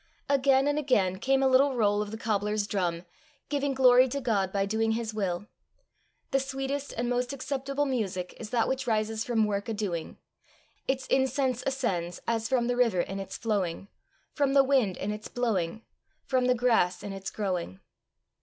Again and again came a little roll of the cobbler's drum, giving glory to God by doing his will: the sweetest and most acceptable music is that which rises from work a doing; its incense ascends as from the river in its flowing, from the wind in its blowing, from the grass in its growing.